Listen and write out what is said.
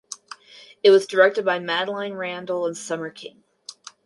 It was directed by Madeline Randall and Summer King.